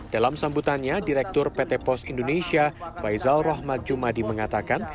dalam sambutannya direktur pt pos indonesia faizal rahmat jumadi mengatakan